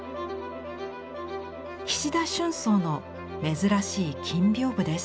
菱田春草の珍しい金屏風です。